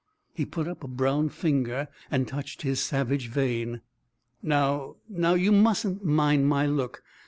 He put up a brown finger and touched his savage vein. "Now, now you mustn't mind my look.